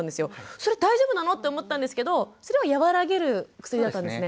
それ大丈夫なのって思ったんですけどそれは和らげる薬だったんですね。